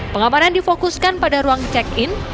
pengamanan difokuskan pada ruang check in